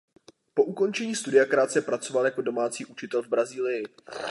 Po ukončení studia krátce pracoval jako domácí učitel v Brazílii.